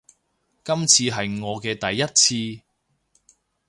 今次係我嘅第一次